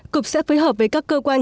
cục sẽ phối hợp với các cơ quan